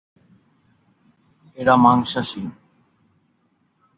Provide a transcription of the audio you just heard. এরা মাংসাশী।